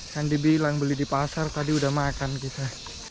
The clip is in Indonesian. yang dibilang beli di pasar tadi udah makan kita